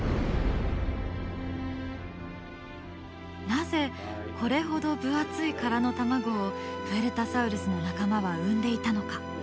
なぜこれほど分厚い殻の卵をプエルタサウルスの仲間は産んでいたのか？